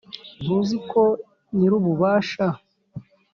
ntuzi ko nyirububasha